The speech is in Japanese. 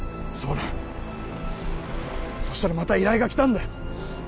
そうだそしたらまた依頼が来たんだよ